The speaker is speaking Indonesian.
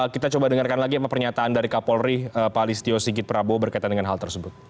kita coba dengarkan lagi pernyataan dari kapolri pak listio sigit prabowo berkaitan dengan hal tersebut